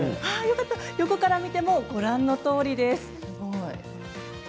横から見ても、ご覧のとおりです。